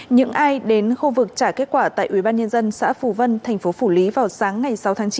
những ai đến khu vực trả kết quả tại ubnd xã phù vân thành phố phủ lý vào sáng ngày sáu tháng chín